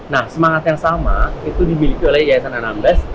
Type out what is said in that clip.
nah semangat yang sama itu dimiliki oleh yayasan anambas